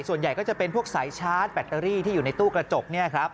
ส่วนใหญ่ก็จะเป็นพวกสายชาร์จแบตเตอรี่ที่อยู่ในตู้กระจก